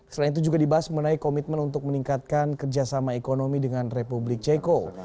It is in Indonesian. selain itu juga dibahas mengenai komitmen untuk meningkatkan kerjasama ekonomi dengan republik ceko